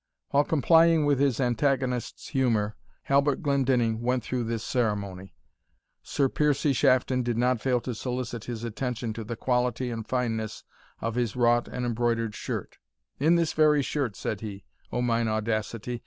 While complying with his antagonist's humour, Halbert Glendinning went through this ceremony, Sir Piercie Shafton did not fail to solicit his attention to the quality and fineness of his wrought and embroidered shirt "In this very shirt," said he, "O mine Audacity!